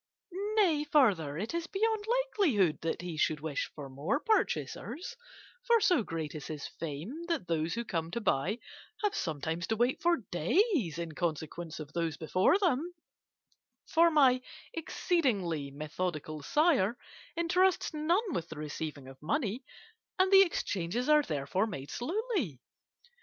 Nay, further, it is beyond likelihood that he should wish for more purchasers, for so great is his fame that those who come to buy have sometimes to wait for days in consequence of those before them; for my exceedingly methodical sire entrusts none with the receiving of money, and the exchanges are therefore made slowly.